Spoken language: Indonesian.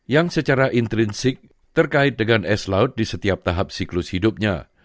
yang secara intrinsik terkait dengan es laut di setiap tahap siklus hidupnya